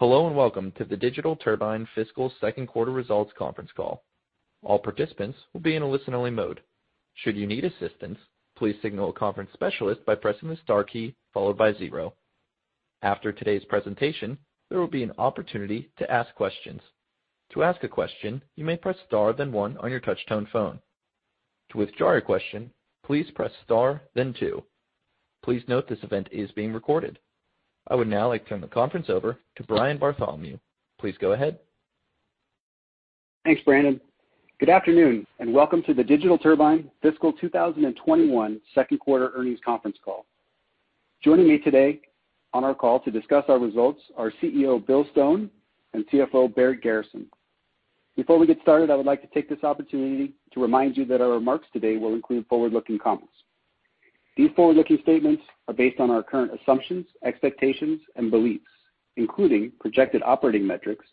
Hello and welcome to the Digital Turbine fiscal second quarter results conference call. All participants will be in a listen-only mode. Should you need assistance, please signal a conference specialist by pressing the star key followed by zero. After today's presentation, there will be an opportunity to ask questions. To ask a question, you may press star, then one on your touch-tone phone. To withdraw your question, please press star, then two. Please note this event is being recorded. I would now like to turn the conference over to Brian Bartholomew. Please go ahead. Thanks, Brandon. Welcome to the Digital Turbine Fiscal 2021 Second Quarter Earnings Conference Call. Joining me today on our call to discuss our results are CEO, Bill Stone and CFO, Barrett Garrison. Before we get started, I would like to take this opportunity to remind you that our remarks today will include forward-looking comments. These forward-looking statements are based on our current assumptions, expectations, and beliefs, including projected operating metrics,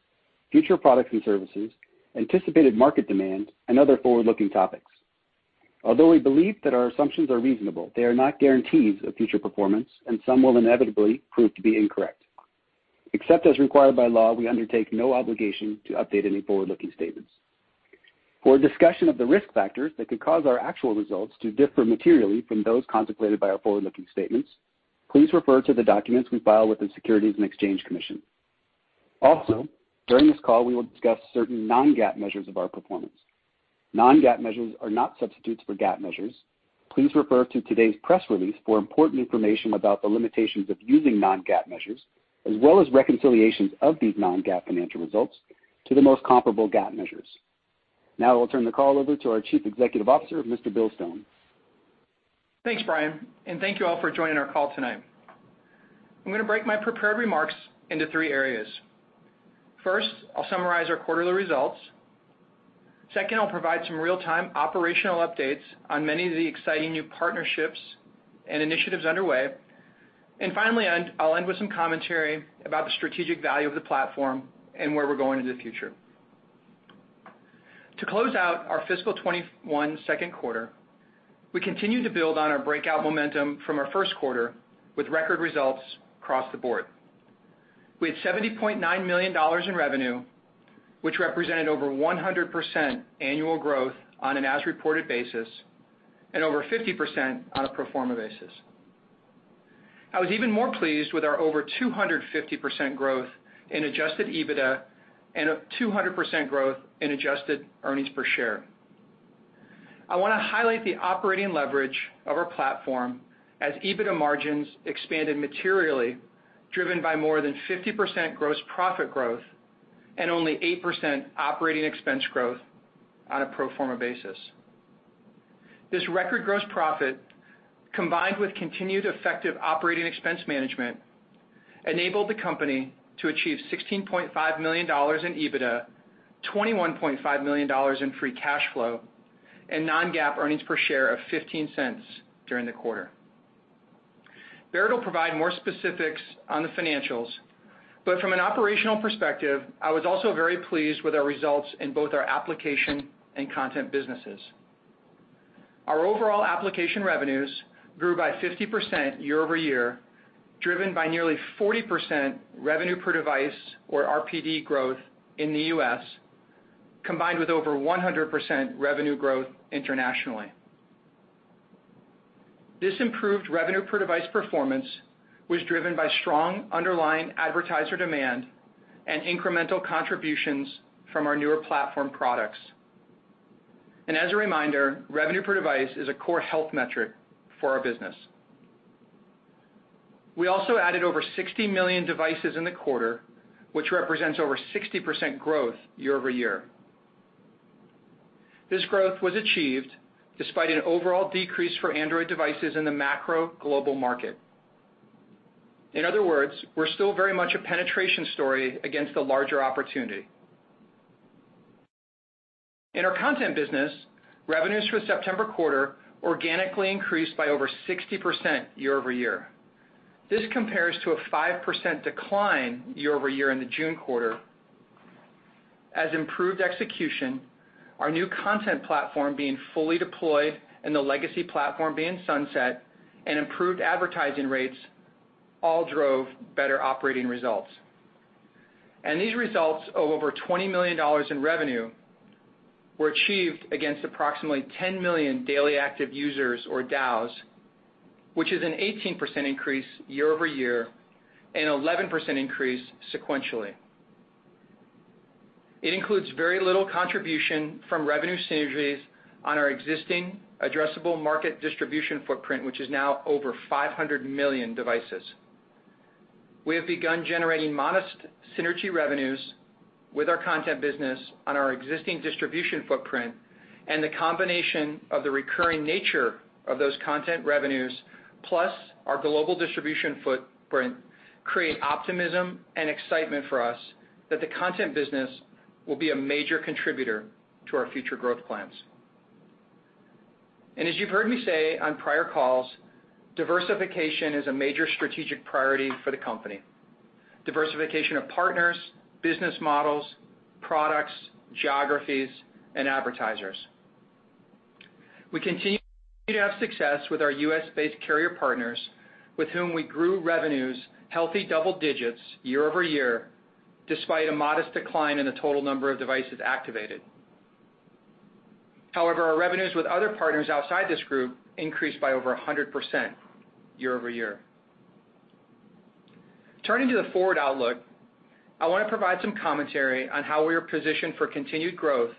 future products and services, anticipated market demand, and other forward-looking topics. Although we believe that our assumptions are reasonable, they are not guarantees of future performance, and some will inevitably prove to be incorrect. Except as required by law, we undertake no obligation to update any forward-looking statements. For a discussion of the risk factors that could cause our actual results to differ materially from those contemplated by our forward-looking statements, please refer to the documents we file with the Securities and Exchange Commission. During this call, we will discuss certain non-GAAP measures of our performance. Non-GAAP measures are not substitutes for GAAP measures. Please refer to today's press release for important information about the limitations of using non-GAAP measures, as well as reconciliations of these non-GAAP financial results to the most comparable GAAP measures. Now I will turn the call over to our Chief Executive Officer, Mr. Bill Stone. Thanks, Brian. Thank you all for joining our call tonight. I'm going to break my prepared remarks into three areas. First, I'll summarize our quarterly results. Second, I'll provide some real-time operational updates on many of the exciting new partnerships and initiatives underway. Finally, I'll end with some commentary about the strategic value of the platform and where we're going in the future. To close out our fiscal 2021 second quarter, we continued to build on our breakout momentum from our first quarter with record results across the board. We had $70.9 million in revenue, which represented over 100% annual growth on an as-reported basis and over 50% on a pro forma basis. I was even more pleased with our over 250% growth in adjusted EBITDA and a 200% growth in adjusted earnings per share. I want to highlight the operating leverage of our platform as EBITDA margins expanded materially, driven by more than 50% gross profit growth and only 8% operating expense growth on a pro forma basis. This record gross profit, combined with continued effective operating expense management, enabled the company to achieve $16.5 million in EBITDA, $21.5 million in free cash flow, and non-GAAP earnings per share of $0.15 during the quarter. Barrett will provide more specifics on the financials, but from an operational perspective, I was also very pleased with our results in both our application and content businesses. Our overall application revenues grew by 50% year-over-year, driven by nearly 40% revenue per device or RPD growth in the U.S., combined with over 100% revenue growth internationally. This improved revenue per device performance was driven by strong underlying advertiser demand and incremental contributions from our newer platform products. As a reminder, revenue per device is a core health metric for our business. We also added over 60 million devices in the quarter, which represents over 60% growth year-over-year. This growth was achieved despite an overall decrease for Android devices in the macro global market. In other words, we're still very much a penetration story against a larger opportunity. In our content business, revenues for the September quarter organically increased by over 60% year-over-year. This compares to a 5% decline year-over-year in the June quarter as improved execution, our new content platform being fully deployed and the legacy platform being sunset, and improved advertising rates all drove better operating results. These results of over $20 million in revenue were achieved against approximately 10 million daily active users or DAUs, which is an 18% increase year-over-year and 11% increase sequentially. It includes very little contribution from revenue synergies on our existing addressable market distribution footprint, which is now over 500 million devices. We have begun generating modest synergy revenues with our content business on our existing distribution footprint, and the combination of the recurring nature of those content revenues, plus our global distribution footprint, create optimism and excitement for us that the content business will be a major contributor to our future growth plans. As you've heard me say on prior calls, diversification is a major strategic priority for the company. Diversification of partners, business models, products, geographies, and advertisers. We continue to have success with our U.S.-based carrier partners, with whom we grew revenues healthy double digits year-over-year, despite a modest decline in the total number of devices activated. However, our revenues with other partners outside this group increased by over 100% year-over-year. Turning to the forward outlook, I want to provide some commentary on how we are positioned for continued growth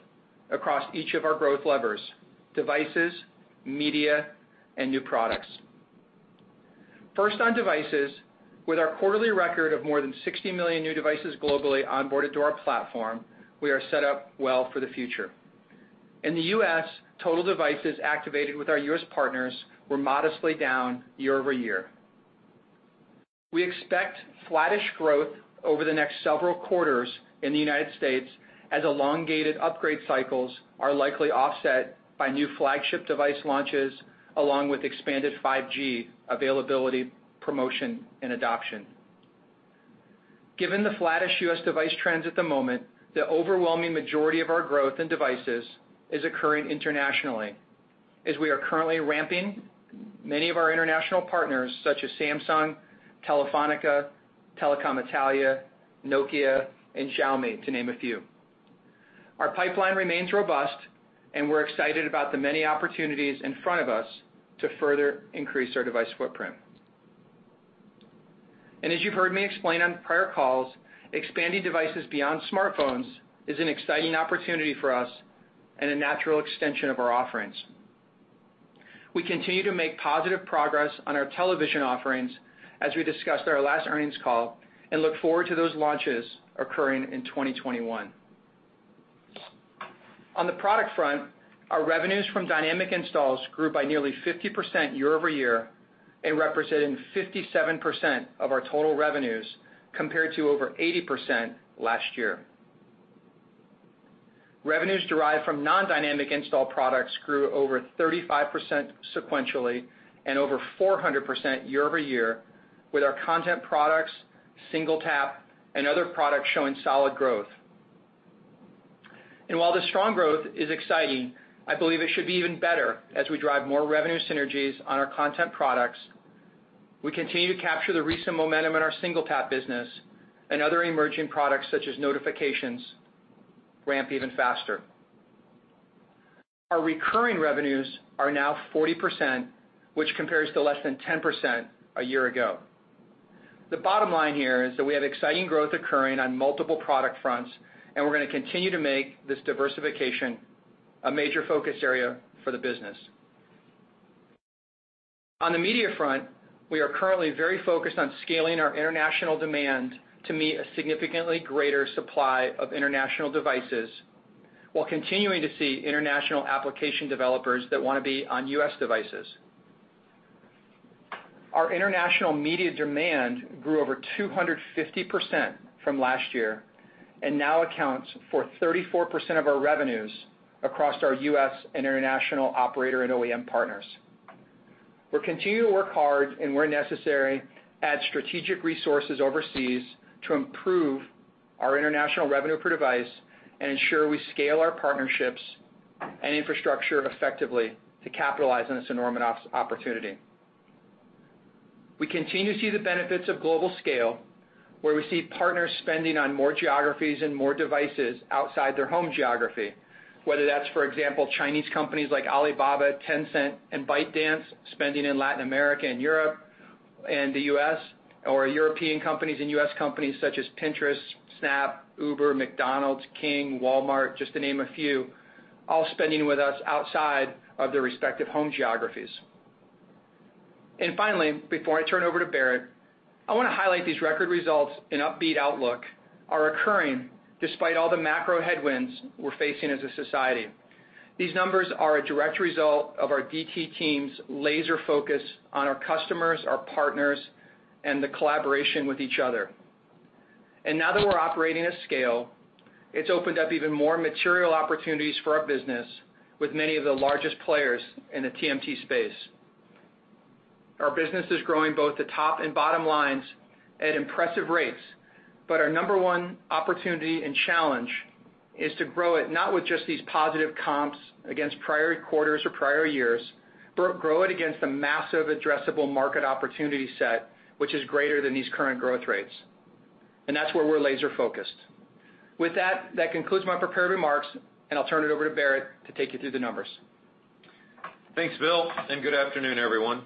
across each of our growth levers, devices, media, and new products. First on devices, with our quarterly record of more than 60 million new devices globally onboarded to our platform, we are set up well for the future. In the U.S., total devices activated with our U.S. partners were modestly down year-over-year. We expect flattish growth over the next several quarters in the United States as elongated upgrade cycles are likely offset by new flagship device launches, along with expanded 5G availability, promotion, and adoption. Given the flattish U.S. device trends at the moment, the overwhelming majority of our growth in devices is occurring internationally, as we are currently ramping many of our international partners, such as Samsung, Telefónica, Telecom Italia, Nokia, and Xiaomi, to name a few. Our pipeline remains robust, and we're excited about the many opportunities in front of us to further increase our device footprint. As you've heard me explain on prior calls, expanding devices beyond smartphones is an exciting opportunity for us and a natural extension of our offerings. We continue to make positive progress on our television offerings, as we discussed on our last earnings call, and look forward to those launches occurring in 2021. On the product front, our revenues from Dynamic Installs grew by nearly 50% year-over-year, representing 57% of our total revenues, compared to over 80% last year. Revenues derived from non-Dynamic Install products grew over 35% sequentially and over 400% year-over-year, with our content products, SingleTap, and other products showing solid growth. While the strong growth is exciting, I believe it should be even better as we drive more revenue synergies on our content products. We continue to capture the recent momentum in our SingleTap business and other emerging products, such as notifications, ramping even faster. Our recurring revenues are now 40%, which compares to less than 10% a year ago. The bottom line here is that we have exciting growth occurring on multiple product fronts, and we're going to continue to make this diversification a major focus area for the business. On the media front, we are currently very focused on scaling our international demand to meet a significantly greater supply of international devices while continuing to see international application developers that want to be on U.S. devices. Our international media demand grew over 250% from last year and now accounts for 34% of our revenues across our U.S. and international operator and OEM partners. We're continuing to work hard and, where necessary, add strategic resources overseas to improve our international revenue per device and ensure we scale our partnerships and infrastructure effectively to capitalize on this enormous opportunity. We continue to see the benefits of global scale, where we see partners spending on more geographies and more devices outside their home geography. Whether that's, for example, Chinese companies like Alibaba, Tencent, and ByteDance spending in Latin America and Europe and the U.S. or European companies and U.S. companies such as Pinterest, Snap, Uber, McDonald's, King, Walmart, just to name a few, all spending with us outside of their respective home geographies. Finally, before I turn over to Barrett, I want to highlight these record results and upbeat outlook are occurring despite all the macro headwinds we're facing as a society. These numbers are a direct result of our DT team's laser focus on our customers, our partners, and the collaboration with each other. Now that we're operating at scale, it's opened up even more material opportunities for our business with many of the largest players in the TMT space. Our business is growing both the top and bottom lines at impressive rates, but our number one opportunity and challenge is to grow it not with just these positive comps against prior quarters or prior years, but grow it against the massive addressable market opportunity set, which is greater than these current growth rates. That's where we're laser-focused. With that concludes my prepared remarks, and I'll turn it over to Barrett to take you through the numbers. Thanks, Bill. Good afternoon, everyone.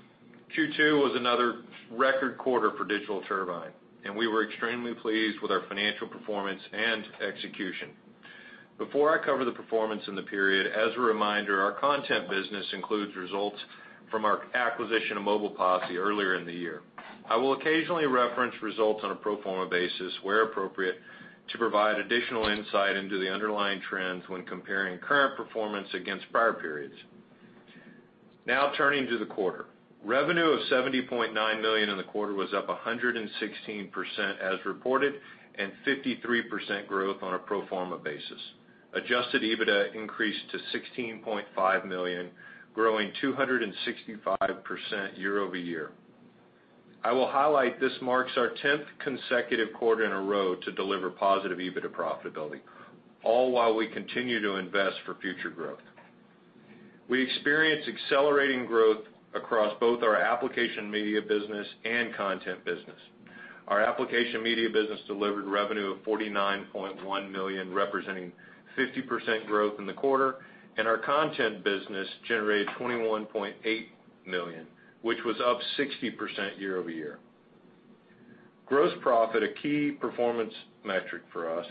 Q2 was another record quarter for Digital Turbine. We were extremely pleased with our financial performance and execution. Before I cover the performance in the period, as a reminder, our content business includes results from our acquisition of Mobile Posse earlier in the year. I will occasionally reference results on a pro forma basis where appropriate to provide additional insight into the underlying trends when comparing current performance against prior periods. Turning to the quarter. Revenue of $70.9 million in the quarter was up 116% as reported and 53% growth on a pro forma basis. Adjusted EBITDA increased to $16.5 million, growing 265% year-over-year. I will highlight this marks our 10th consecutive quarter in a row to deliver positive EBITDA profitability, all while we continue to invest for future growth. We experienced accelerating growth across both our application media business and content business. Our application media business delivered revenue of $49.1 million, representing 50% growth in the quarter, and our content business generated $21.8 million, which was up 60% year-over-year. Gross profit, a key performance metric for us,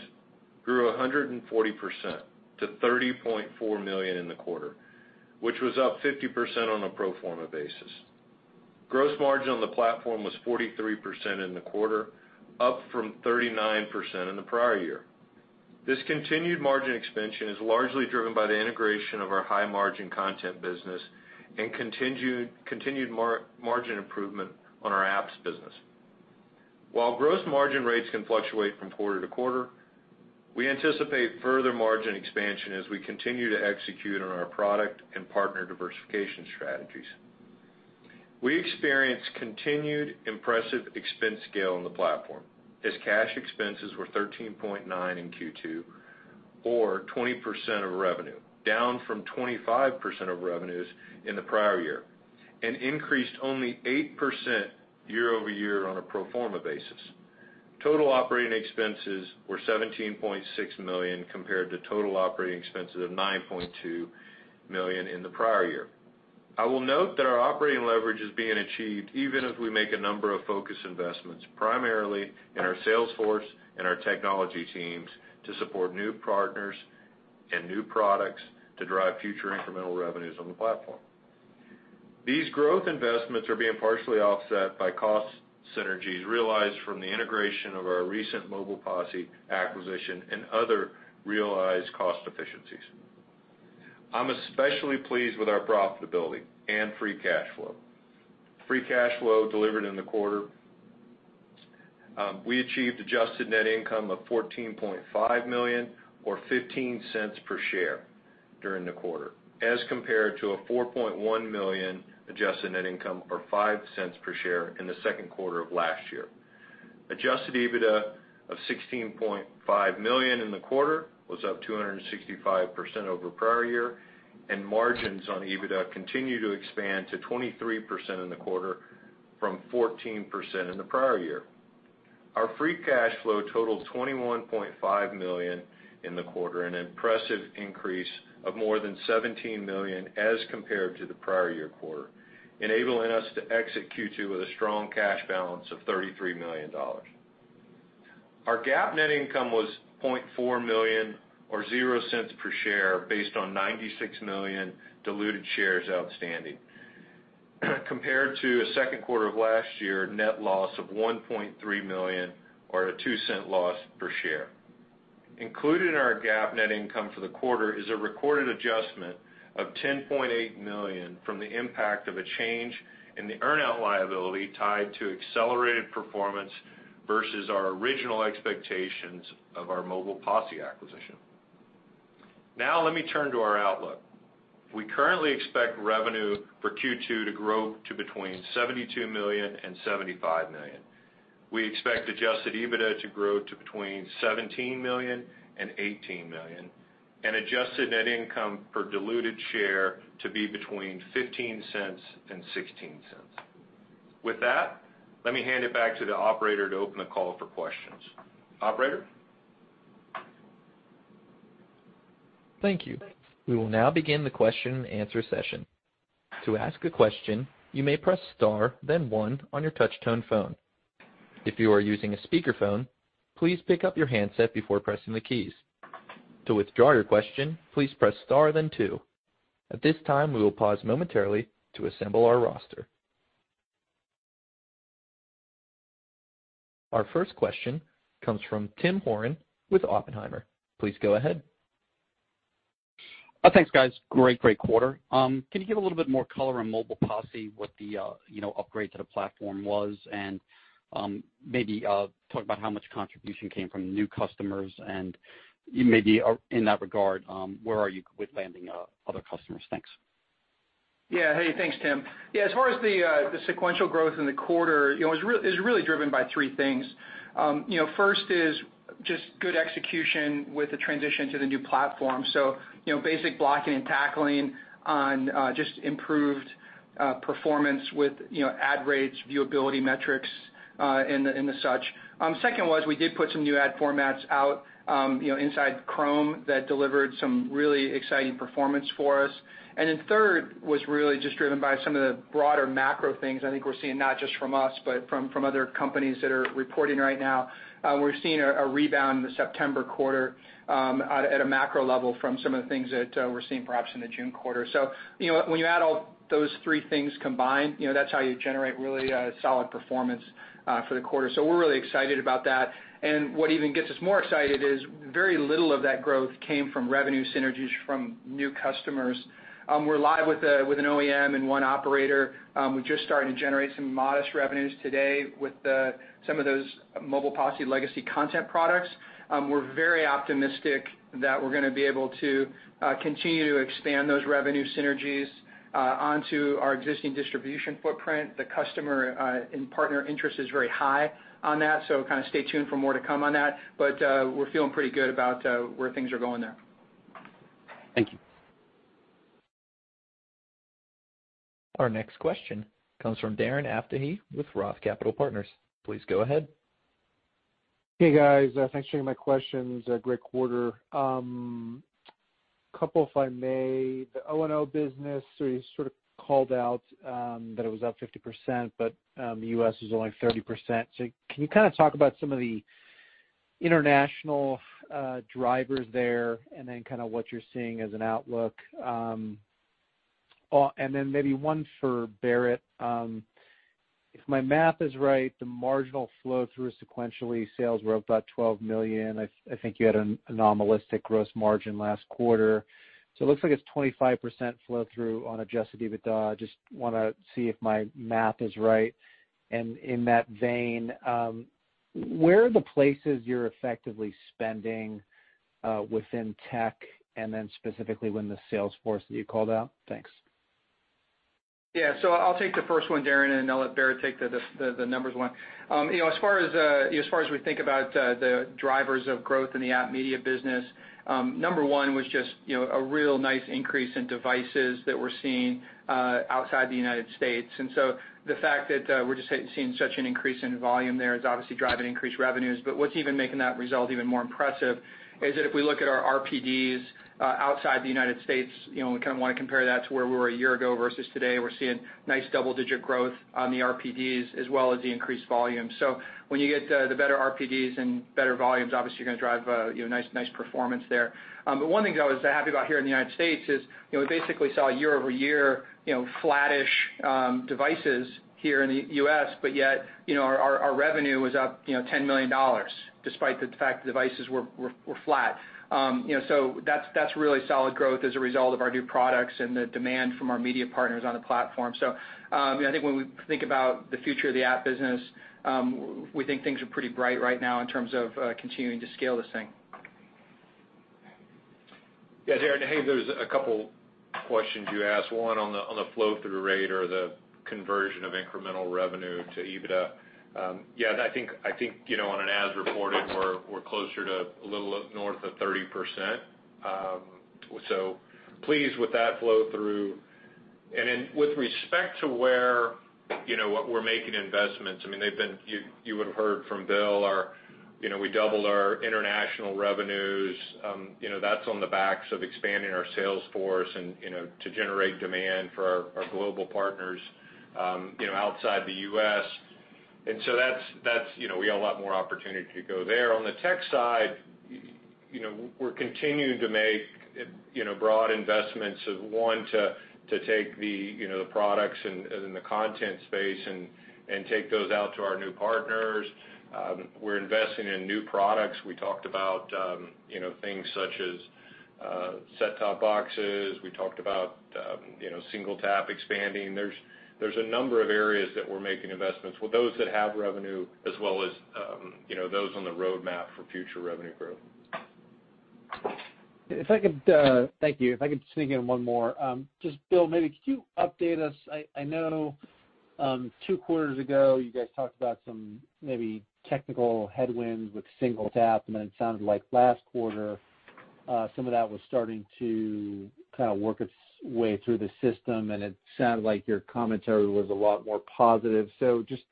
grew 140% to $30.4 million in the quarter, which was up 50% on a pro forma basis. Gross margin on the platform was 43% in the quarter, up from 39% in the prior year. This continued margin expansion is largely driven by the integration of our high-margin content business and continued margin improvement on our apps business. While gross margin rates can fluctuate from quarter to quarter, we anticipate further margin expansion as we continue to execute on our product and partner diversification strategies. We experienced continued impressive expense scale on the platform, as cash expenses were $13.9 in Q2 or 20% of revenue, down from 25% of revenues in the prior year, and increased only 8% year-over-year on a pro forma basis. Total operating expenses were $17.6 million compared to total operating expenses of $9.2 million in the prior year. I will note that our operating leverage is being achieved even as we make a number of focus investments, primarily in our sales force and our technology teams to support new partners and new products to drive future incremental revenues on the platform. These growth investments are being partially offset by cost synergies realized from the integration of our recent Mobile Posse acquisition and other realized cost efficiencies. I'm especially pleased with our profitability and free cash flow. Free cash flow delivered in the quarter, we achieved adjusted net income of $14.5 million or $0.15 per share during the quarter as compared to a $4.1 million adjusted net income or $0.05 per share in the second quarter of last year. Adjusted EBITDA of $16.5 million in the quarter was up 265% over prior year, and margins on EBITDA continue to expand to 23% in the quarter from 14% in the prior year. Our free cash flow totaled $21.5 million in the quarter, an impressive increase of more than $17 million as compared to the prior year quarter, enabling us to exit Q2 with a strong cash balance of $33 million. Our GAAP net income was $0.4 million or $0.00 per share based on 96 million diluted shares outstanding, compared to a second quarter of last year net loss of $1.3 million or a $0.02 loss per share. Included in our GAAP net income for the quarter is a recorded adjustment of $10.8 million from the impact of a change in the earn-out liability tied to accelerated performance versus our original expectations of our Mobile Posse acquisition. Now let me turn to our outlook. We currently expect revenue for Q2 to grow to between $72 million and $75 million. We expect adjusted EBITDA to grow to between $17 million and $18 million and adjusted net income per diluted share to be between $0.15 and $0.16. With that, let me hand it back to the operator to open the call for questions. Operator? Thank you. We will now begin the question and answer session. Our first question comes from Tim Horan with Oppenheimer. Please go ahead. Thanks, guys. Great quarter. Can you give a little bit more color on Mobile Posse, what the upgrade to the platform was, and maybe talk about how much contribution came from new customers and maybe in that regard, where are you with landing other customers? Thanks. Hey, thanks, Tim. As far as the sequential growth in the quarter, it was really driven by three things. First is just good execution with the transition to the new platform. Basic blocking and tackling on just improved performance with ad rates, viewability metrics, and the like. Second, we did put some new ad formats out inside Chrome that delivered some really exciting performance for us. Third was really just driven by some of the broader macro things I think we're seeing, not just from us but from other companies that are reporting right now. We're seeing a rebound in the September quarter at a macro level from some of the things that we're seeing, perhaps in the June quarter. When you add all those three things combined, that's how you generate really solid performance for the quarter. We're really excited about that. What even gets us more excited is that very little of that growth came from revenue synergies from new customers. We're live with an OEM and one operator. We're just starting to generate some modest revenues today with some of those Mobile Posse legacy content products. We're very optimistic that we're going to be able to continue to expand those revenue synergies onto our existing distribution footprint. The customer and partner interest is very high on that, so stay tuned for more to come on that. We're feeling pretty good about where things are going there. Thank you. Our next question comes from Darren Aftahi with Roth Capital Partners. Please go ahead. Hey, guys. Thanks for taking my questions. Great quarter. Couple, if I may. The O&O business, you sort of called out that it was up 50%, but the U.S. is only 30%. Can you talk about some of the international drivers there, and then what you're seeing as an outlook? Then maybe one for Barrett. If my math is right, the marginal flow-through sequentially, sales were up about $12 million. I think you had an anomalistic gross margin last quarter. It looks like it's 25% flow-through on adjusted EBITDA. Just want to see if my math is right. In that vein, where are the places you're effectively spending within tech, and then specifically when the sales force that you called out? Thanks. Yeah. I'll take the first one, Darren, and then I'll let Barrett take the numbers one. As far as we think about the drivers of growth in the app media business, number one was just a real nice increase in devices that we're seeing outside the U.S. The fact that we're just seeing such an increase in volume there is obviously driving increased revenues. What's even making that result even more impressive is that if we look at our RPDs outside the U.S., we want to compare that to where we were a year ago versus today; we're seeing nice double-digit growth on the RPDs, as well as the increased volume. When you get the better RPDs and better volumes, obviously you're going to drive a nice performance there. One thing that I was happy about here in the U.S. is that we basically saw year-over-year flattish devices here in the U.S., but yet our revenue was up $10 million, despite the fact the devices were flat. That's really solid growth as a result of our new products and the demand from our media partners on the platform. I think when we think about the future of the app business, we think things are pretty bright right now in terms of continuing to scale this thing. Yeah, Darren. Hey, there are a couple of questions you asked. One on the flow-through rate or the conversion of incremental revenue to EBITDA. Yeah, I think, on an as-reported basis, we're closer to a little up north of 30%. Pleased with that flow-through. With respect to where we're making investments, you would've heard from Bill, we doubled our international revenues. That's on the backs of expanding our sales force and generating demand for our global partners outside the U.S. We got a lot more opportunity to go there. On the tech side, we're continuing to make broad investments to take the products in the content space and take those out to our new partners. We're investing in new products. We talked about things such as set-top boxes. We talked about SingleTap expanding. There are a number of areas that we're making investments in with those that have revenue, as well as those on the roadmap for future revenue growth. Thank you. If I could sneak in one more. Just Bill, maybe you could update us. I know two quarters ago you guys talked about some maybe technical headwinds with SingleTap, and then it sounded like last quarter some of that was starting to work its way through the system, and it sounded like your commentary was a lot more positive. Just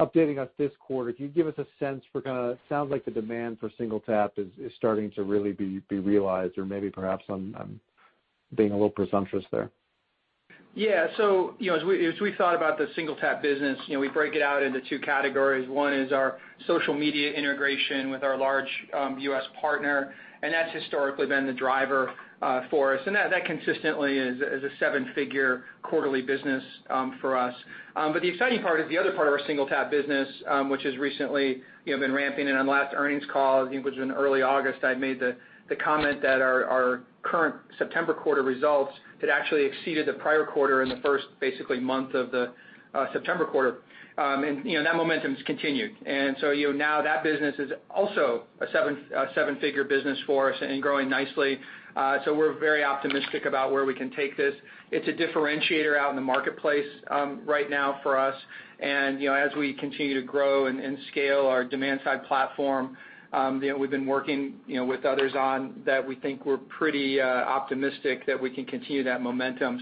updating us this quarter, could you give us a sense of, kind of, sounds like the demand for SingleTap is starting to really be realized, or maybe perhaps I'm being a little presumptuous there. As we thought about the SingleTap business, we break it out into two categories. One is our social media integration with our large U.S. partner, and that's historically been the driver for us. That consistently is a seven-figure quarterly business for us. The exciting part is the other part of our SingleTap business, which has recently been ramping. On last earnings call, I think it was in early August, I made the comment that our current September quarter results had actually exceeded the prior quarter in the first basically month of the September quarter. That momentum's continued. Now that business is also a seven-figure business for us and growing nicely. We're very optimistic about where we can take this. It's a differentiator out in the marketplace right now for us. As we continue to grow and scale our demand-side platform that we've been working with others on, we think we're pretty optimistic that we can continue that momentum.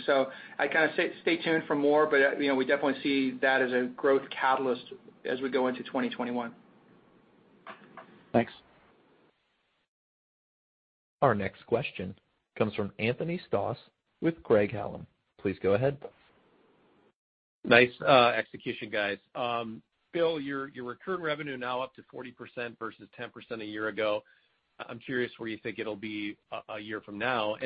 I kind of stay tuned for more, but we definitely see that as a growth catalyst as we go into 2021. Thanks. Our next question comes from Anthony Stoss with Craig-Hallum. Please go ahead. Nice execution, guys. Bill, your recurring revenue is now up to 40% versus 10% a year ago. I'm curious where you think it'll be a year from now.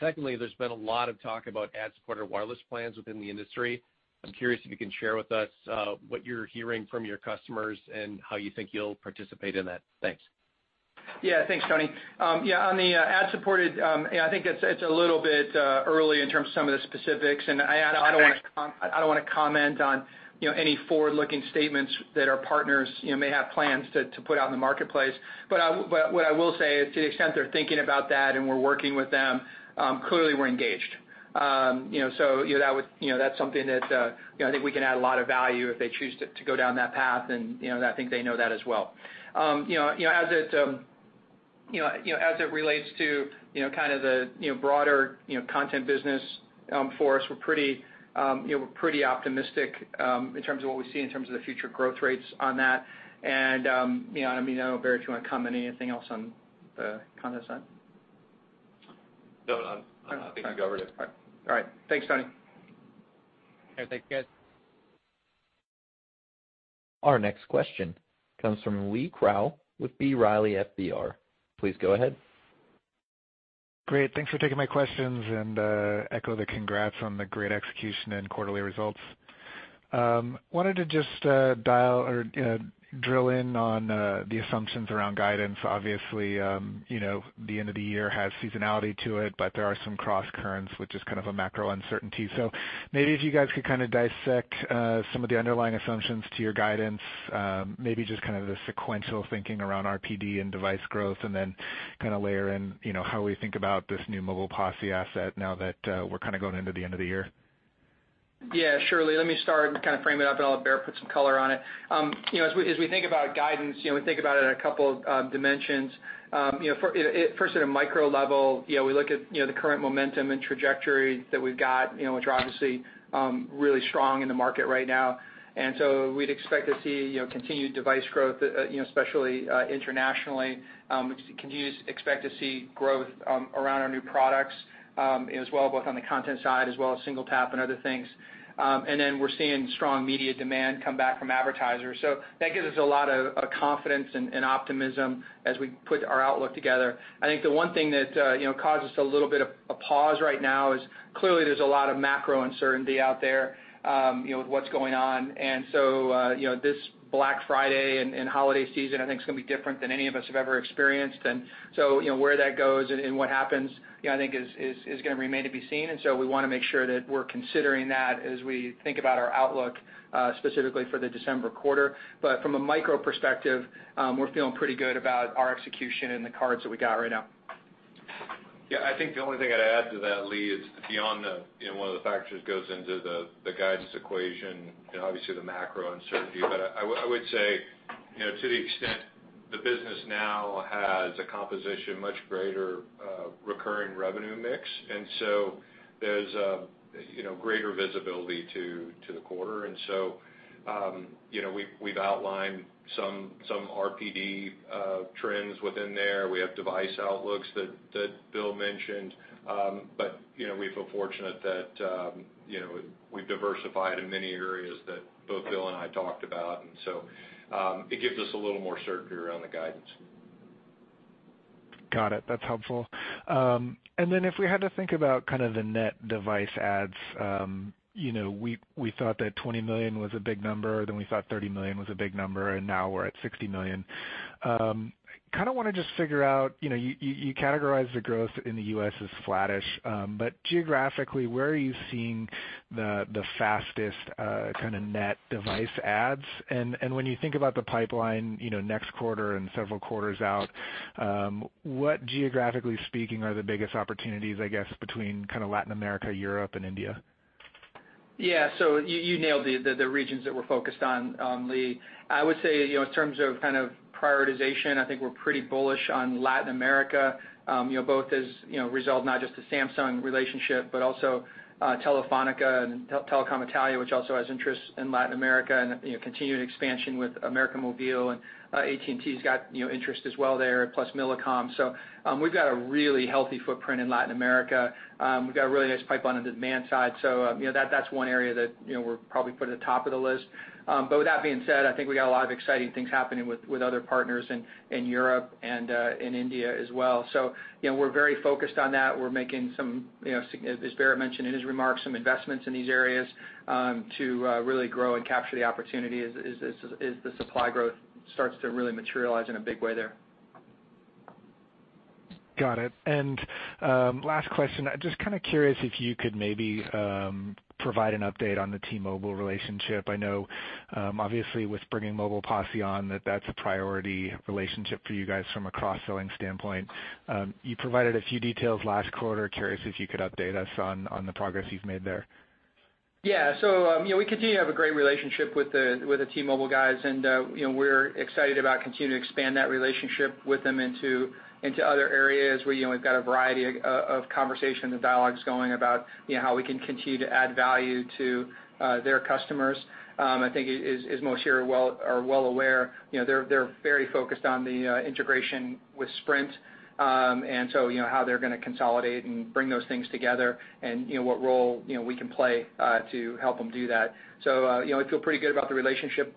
Secondly, there's been a lot of talk about ad-supported wireless plans within the industry. I'm curious if you can share with us what you're hearing from your customers and how you think you'll participate in that. Thanks. Thanks, Tony. On the ad-supported, I think it's a little bit early in terms of some of the specifics, and I don't want to comment on any forward-looking statements that our partners may have plans to put out in the marketplace. What I will say is to the extent they're thinking about that and we're working with them, clearly we're engaged. That's something that I think we can add a lot of value if they choose to go down that path, and I think they know that as well. As it relates to the broader content business for us, we're pretty optimistic in terms of what we see in terms of the future growth rates on that. I don't know, Barrett, if you want to comment anything else on the content side? No, I think you covered it. All right. Thanks, Tony. Okay. Thanks, guys. Our next question comes from Lee Krowl with B. Riley Securities. Please go ahead. Great. Thanks for taking my questions; I echo the congrats on the great execution and quarterly results. I wanted to just drill in on the assumptions around guidance. Obviously, the end of the year has seasonality to it, but there are some crosscurrents with just kind of a macro uncertainty. Maybe if you guys could dissect some of the underlying assumptions to your guidance. Maybe just the sequential thinking around RPD and device growth, and then layer in how we think about this new Mobile Posse asset now that we're going into the end of the year. Yeah, sure, Lee. Let me start and frame it up, and I'll have Barrett put some color on it. As we think about guidance, we think about it in a couple of dimensions. First, at a micro level, we look at the current momentum and trajectory that we've got, which are obviously really strong in the market right now. We'd expect to see continued device growth, especially internationally. We expect to see growth around our new products as well, both on the content side as well as SingleTap and other things. We're seeing strong media demand come back from advertisers. That gives us a lot of confidence and optimism as we put our outlook together. I think the one thing that caused us a little bit of a pause right now is clearly there's a lot of macro uncertainty out there with what's going on. This Black Friday and holiday season, I think it's going to be different than any of us have ever experienced. Where that goes and what happens, I think, is going to remain to be seen. We want to make sure that we're considering that as we think about our outlook, specifically for the December quarter. From a micro perspective, we're feeling pretty good about our execution and the cards that we got right now. Yeah, I think the only thing I'd add to that, Lee, is beyond one of the factors goes into the guidance equation and obviously the macro uncertainty. I would say, to the extent the business now has a composition, much greater recurring revenue mix. There's greater visibility to the quarter. We've outlined some RPD trends within there. We have device outlooks that Bill mentioned. We feel fortunate that we've diversified in many areas that both Bill and I talked about. It gives us a little more certainty around the guidance. Got it. That's helpful. If we had to think about the net device adds. We thought that $20 million was a big number, then we thought $30 million was a big number, and now we're at $60 million. Kind of want to just figure out, you categorized the growth in the U.S. as flattish, but geographically, where are you seeing the fastest net device adds? When you think about the pipeline, next quarter and several quarters out, what, geographically speaking, are the biggest opportunities, I guess, between Latin America, Europe, and India? Yeah. You nailed the regions that we're focused on, Lee. I would say in terms of prioritization, I think we're pretty bullish on Latin America. Both as a result, not just the Samsung relationship, but also Telefónica and Telecom Italia, which also have interests in Latin America and continued expansion with América Móvil and AT&T's got interest as well there, plus Millicom. We've got a really healthy footprint in Latin America. We've got a really nice pipeline on the demand side. That's one area that we're probably putting at the top of the list. With that being said, I think we got a lot of exciting things happening with other partners in Europe and in India as well. We're very focused on that. We're making some, as Barrett mentioned in his remarks, some investments in these areas to really grow and capture the opportunity as the supply growth starts to really materialize in a big way there. Got it. Last question. Just kind of curious if you could maybe provide an update on the T-Mobile relationship. I know, obviously with bringing Mobile Posse on, that that's a priority relationship for you guys from a cross-selling standpoint. You provided a few details last quarter. Curious if you could update us on the progress you've made there. Yeah. We continue to have a great relationship with the T-Mobile guys, and we're excited about continuing to expand that relationship with them into other areas where we've got a variety of conversations and dialogues going about how we can continue to add value to their customers. I think as most here are well aware, they're very focused on the integration with Sprint. How they're going to consolidate and bring those things together and what role we can play to help them do that. I feel pretty good about the relationship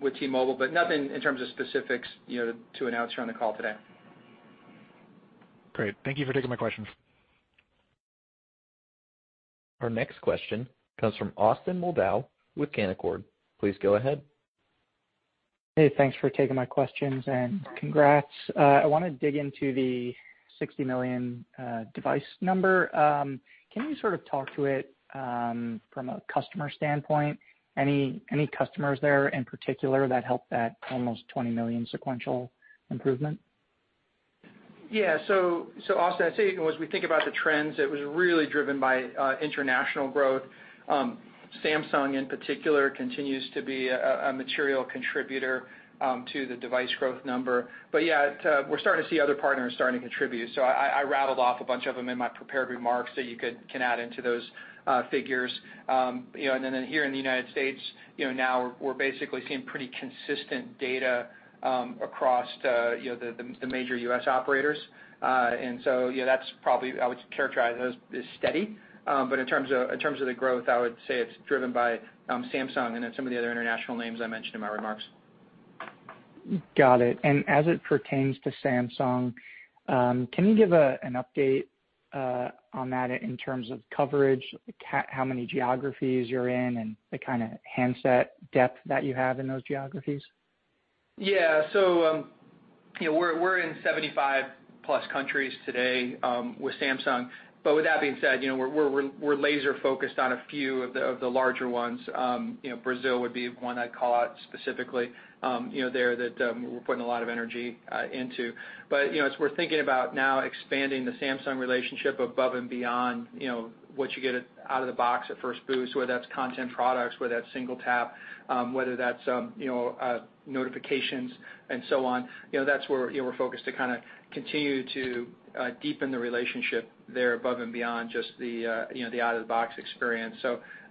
with T-Mobile, but nothing in terms of specifics to announce here on the call today. Great. Thank you for taking my questions. Our next question comes from Austin Moldow with Canaccord. Please go ahead. Hey, thanks for taking my questions. Congrats. I want to dig into the 60 million device number. Can you sort of talk to it from a customer standpoint? Any customers there in particular that helped that almost 20 million sequential improvement? Yeah. Austin, I'd say as we think about the trends, it was really driven by international growth. Samsung, in particular, continues to be a material contributor to the device growth number. Yeah, we're starting to see other partners starting to contribute. I rattled off a bunch of them in my prepared remarks that you can add into those figures. Then here in the U.S., now we're basically seeing pretty consistent data across the major U.S. operators. So, yeah, that's probably, I would characterize as steady. In terms of the growth, I would say it's driven by Samsung and then some of the other international names I mentioned in my remarks. Got it. As it pertains to Samsung, can you give an update on that in terms of coverage, how many geographies you're in, and the kind of handset depth that you have in those geographies? We're in 75+ countries today with Samsung. With that being said, we're laser-focused on a few of the larger ones. Brazil would be one I'd call out specifically there that we're putting a lot of energy into. As we're thinking about now expanding the Samsung relationship above and beyond what you get out of the box at first boot, whether that's content products, whether that's SingleTap, whether that's notifications, and so on, that's where we're focused to continue to deepen the relationship there above and beyond just the out-of-the-box experience.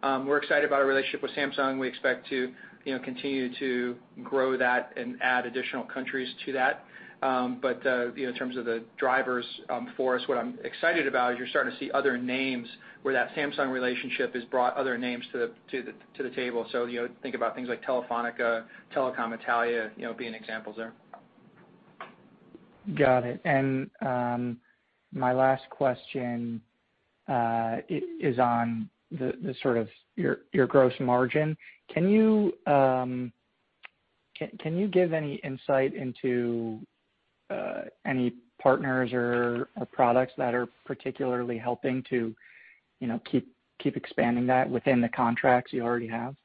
We're excited about our relationship with Samsung. We expect to continue to grow that and add additional countries to that. In terms of the drivers for us, what I'm excited about is you're starting to see other names where that Samsung relationship has brought other names to the table. Think about things like Telefónica, Telecom Italia, being examples there. Got it. My last question is on your gross margin. Can you give any insight into any partners or products that are particularly helping to keep expanding that within the contracts you already have?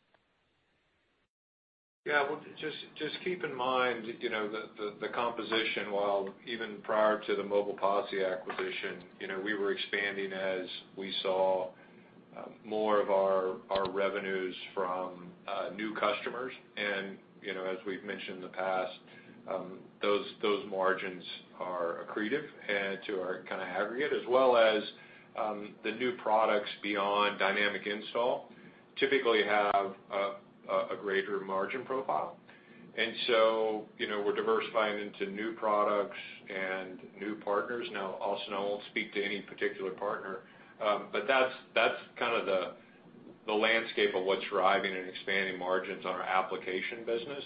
Yeah. Well, just keep in mind the composition, while even prior to the Mobile Posse acquisition, we were expanding as we saw more of our revenues from new customers. As we've mentioned in the past, those margins are accretive to our aggregate as well as the new products beyond Dynamic Installs typically have a greater margin profile. We're diversifying into new products and new partners. Now, Austin, I won't speak to any particular partner. That's the landscape of what's driving and expanding margins on our application business.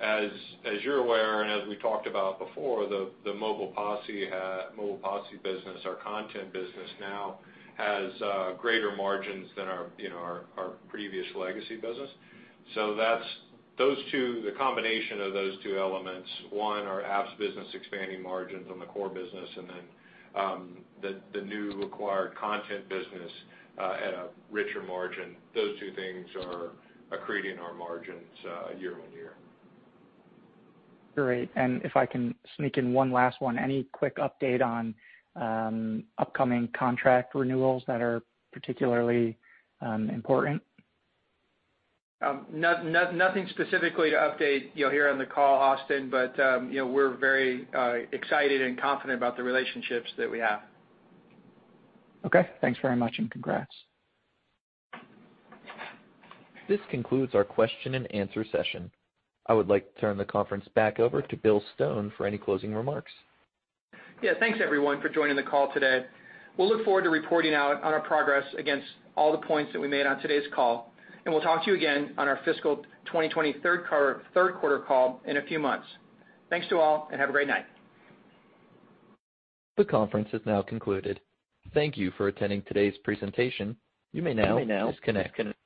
As you're aware and as we talked about before, the Mobile Posse business, our content business now has greater margins than our previous legacy business. The combination of those two elements, one, our apps business expanding margins on the core business, and then the new acquired content business at a richer margin. Those two things are accreting our margins year on year. Great. If I can sneak in one last one. Any quick update on upcoming contract renewals that are particularly important? Nothing specifically to update here on the call, Austin. We're very excited and confident about the relationships that we have. Okay. Thanks very much, and congrats. This concludes our question-and-answer session. I would like to turn the conference back over to Bill Stone for any closing remarks. Yeah. Thanks, everyone, for joining the call today. We'll look forward to reporting out on our progress against all the points that we made on today's call, and we'll talk to you again on our fiscal 2021 third quarter call in a few months. Thanks to all, and have a great night. The conference is now concluded. Thank you for attending today's presentation. You may now disconnect.